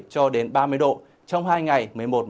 sau đó tăng nhẹ một độ trong ngày một mươi ba